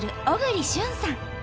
小栗旬さん。